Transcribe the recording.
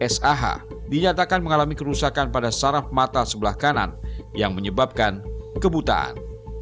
sah dinyatakan mengalami kerusakan pada saraf mata sebelah kanan yang menyebabkan kebutaan